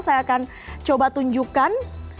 saya akan coba tunjukkan